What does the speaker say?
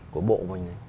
của bộ mình